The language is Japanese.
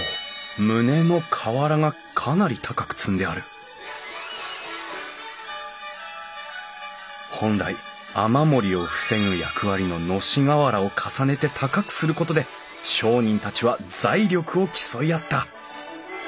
棟の瓦がかなり高く積んである本来雨漏りを防ぐ役割の熨斗瓦を重ねて高くすることで商人たちは財力を競い合った。